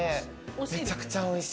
めちゃくちゃおいしい。